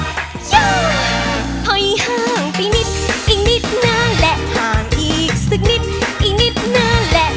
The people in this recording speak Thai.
ถอยห่างไปนิดอีกนิดนะและห่างอีกสักนิดอีกนิดนานแหละ